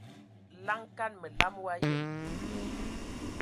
Laŋa kan məlam wa yəm.